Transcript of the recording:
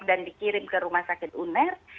dan dikirim ke rumah sakit uner